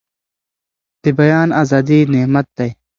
د بيان ازادي نعمت دی.